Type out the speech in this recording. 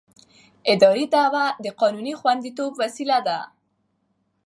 اداري دعوه د قانوني خوندیتوب وسیله ده.